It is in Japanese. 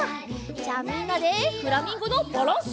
じゃみんなでフラミンゴのバランス。